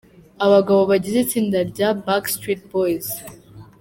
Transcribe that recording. Abagabo bagize itsinda rya Backstreet Boys.